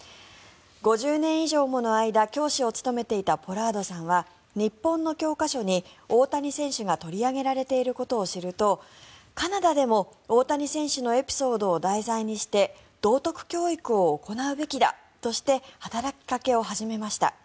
５０年以上もの間教師を務めていたポラードさんは日本の教科書に大谷選手が取り上げられていることを知るとカナダでも大谷選手のエピソードを題材にして道徳教育を行うべきだとして働きかけを始めました。